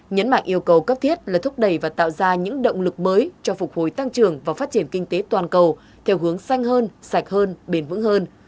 nhấn mạnh yêu cầu cấp thiết là thúc đẩy và tạo ra những động lực mới cho phục hồi tăng trưởng và phát triển kinh tế toàn cầu theo hướng xanh hơn sạch hơn bền vững hơn